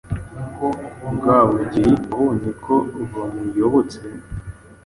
Rwabugiri abonye ko bamuyobotse